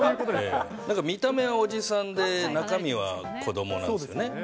なんか見た目はおじさんで、中身は子どもなんですよね。